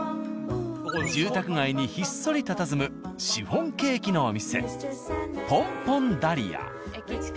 住宅街にひっそりたたずむシフォンケーキのお店駅近。